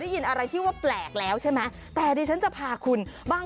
ยินอะไรที่ว่าแปลกแล้วใช่ไหมแต่ดิฉันจะพาคุณบ้าง